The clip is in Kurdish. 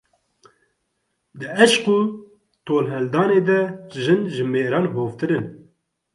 Di eşq û tolhildanê de jin ji mêran hovtir in.